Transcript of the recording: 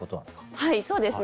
はいそうですね。